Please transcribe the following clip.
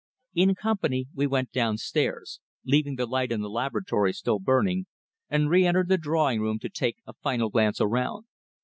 In company we went downstairs, leaving the light in the laboratory still burning, and re entered the drawing room to take a final glance around.